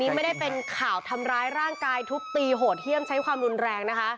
ไปแล้วหนูไปแล้วหนูค่ะ